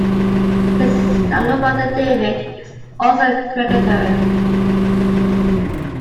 His younger brother David is also a Cricketer.